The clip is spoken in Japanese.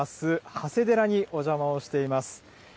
長谷寺にお邪魔をしています。